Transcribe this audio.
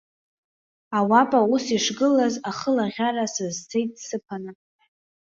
Ауапа ус ишгылаз, ахылаӷьара сазцеит сыԥаны.